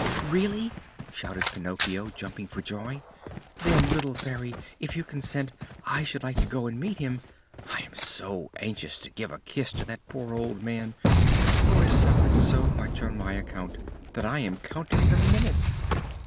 "Really?" shouted Pinocchio, jumping for joy. "Then, little Fairy, if you consent, I should like to go and meet him. I am so anxious to give a kiss to that poor old man, who has suffered so much on my account, that I am counting the minutes."